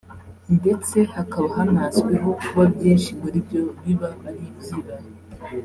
ndetse hakaba hanazwiho kuba byinshi muri byo biba ari ibyibano